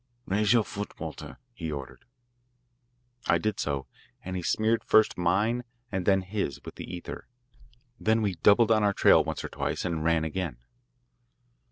"Raise your foot, Walter," he ordered. I did so and he smeared first mine and then his with the ether. Then we doubled on our trail once or twice and ran again.